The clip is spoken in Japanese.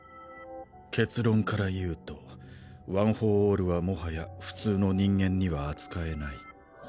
結論から言うとワン・フォー・オールは最早普通の人間には扱えない。